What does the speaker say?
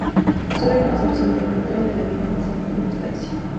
Solo hay una excepción: el vitral de la "Vida de San Eustasio".